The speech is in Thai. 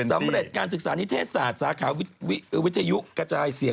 สำเร็จการศึกษานิเทศศาสตร์สาขาวิทยุกระจายเสียง